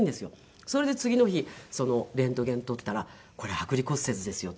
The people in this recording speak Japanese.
それで次の日レントゲン撮ったら「これ剥離骨折ですよ」と。